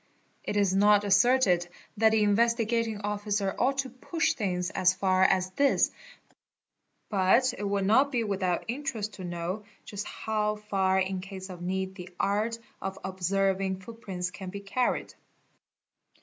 It is not asserted that the Investigating Officer ought to push things as far as this, but it will not be without interest to know just how far in case of need the art of observing footprints can be carried.